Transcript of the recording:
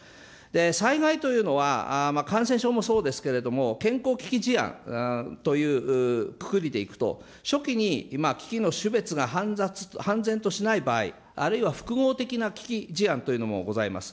災害というのは、感染症もそうですけれども、健康危機事案というくくりでいくと、初期に危機の種別が判然としない場合、あるいは複合的な危機事案というのもございます。